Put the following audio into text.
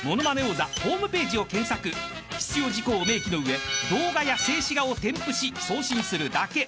［必要事項を明記の上動画や静止画を添付し送信するだけ］